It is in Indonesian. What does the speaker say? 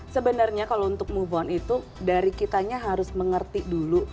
sebenarnya kalau untuk move on itu dari kitanya harus mengerti dulu